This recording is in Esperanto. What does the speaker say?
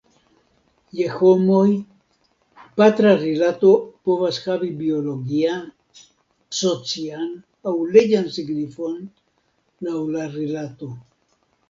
Je homoj, patra rilato povas havi biologian, socian, aŭ leĝan signifon, laŭ la rilato.